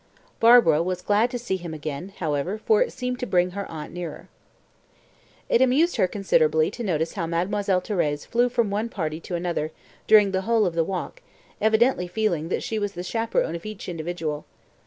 Barbara was glad to see him again, however, for it seemed to bring her aunt nearer. It amused her considerably to notice how Mademoiselle Thérèse flew from one party to another, during the whole of the walk, evidently feeling that she was the chaperon of each individual.